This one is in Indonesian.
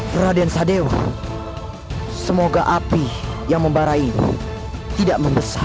pradensa dewa semoga api yang membarai ini tidak membesar